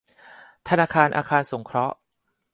ธนาคารอาคารสงเคราะห์